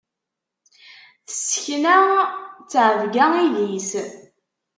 Tessekna ttɛebga idis.